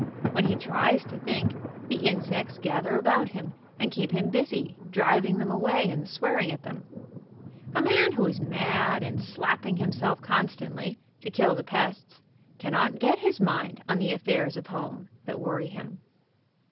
When he tries to think, the insects gather about him, and keep him busy driving them away, and swearing at them. A man who is mad, and slapping himself constantly to kill the pests, cannot get his mind on the affairs of home, that worry him.